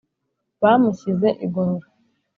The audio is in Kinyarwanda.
bamushyize i gorora.